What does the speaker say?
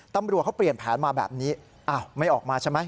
ตำรวจเขาเปลี่ยนแผนมาแบบนี้อ้าวไม่ออกมาใช่ไหม